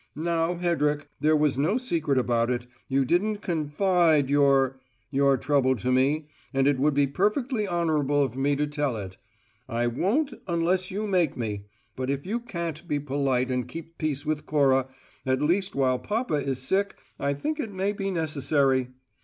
Now, Hedrick, there was no secret about it; you didn't confide your your trouble to me, and it would be perfectly honourable of me to tell it. I wont unless you make me, but if you can't be polite and keep peace with Cora at least while papa is sick I think it may be necessary.